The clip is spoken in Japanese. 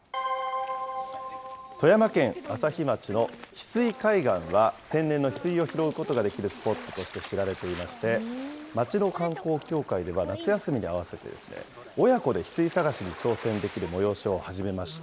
富山県朝日町のヒスイ海岸は、天然のヒスイを拾うことができるスポットとして知られていまして、町の観光協会では、夏休みに合わせて、親子でヒスイ探しに挑戦できる催しを始めました。